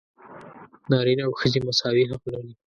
نارینه او ښځې مساوي حق لري.